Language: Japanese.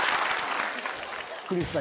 クリスさん